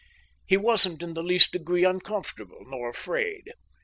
He wasn't in the least degree uncomfortable nor afraid.